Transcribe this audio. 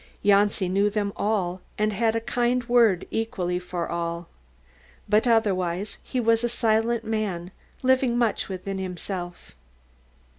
Janci knew them all, and had a kind word equally for all. But otherwise he was a silent man, living much within himself.